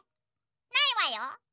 ないわよ。